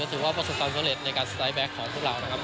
ถือว่าประสบความสำเร็จในการสไตลแบ็คของพวกเรานะครับ